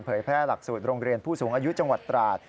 แพร่หลักสูตรโรงเรียนผู้สูงอายุจังหวัดตราด